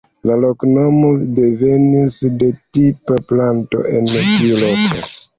La loknomo devenis de tipa planto en tiu loko.